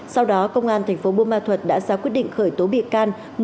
sau đó công an tp buôn ma thuật đã ra quyết định khởi tố bị can